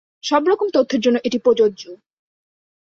সব রকম তথ্যের জন্য এটি প্রযোজ্য।